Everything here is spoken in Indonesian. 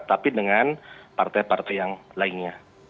tapi dengan partai partai yang lainnya